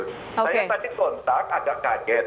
saya tadi kontak agak kaget